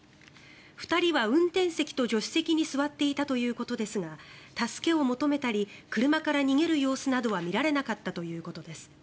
２人は運転席と助手席に座っていたということですが助けを求めたり車から逃げる様子などは見られなかったということです。